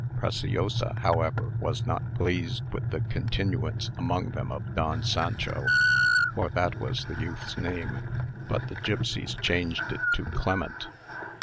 Preciosa, however, was not pleased with the continuance among them of Don Sancho, for that was the youth's name, but the gipsies changed it to Clement.